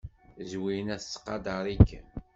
Zwina tettqadar-ikem.